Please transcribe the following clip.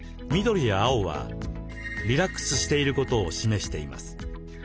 緑や青はリラックスしていることを示しています。